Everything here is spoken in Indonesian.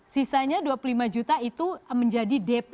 sisanya dua puluh lima juta itu menjadi dp